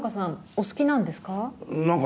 お好きなんですか？